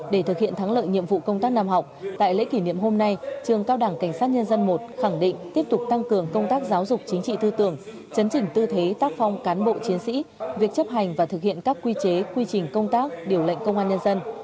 để thực hiện thắng lợi nhiệm vụ công tác nam học tại lễ kỷ niệm hôm nay trường cao đảng cảnh sát nhân dân một khẳng định tiếp tục tăng cường công tác giáo dục chính trị tư tưởng chấn chỉnh tư thế tác phong cán bộ chiến sĩ việc chấp hành và thực hiện các quy chế quy trình công tác điều lệnh công an nhân dân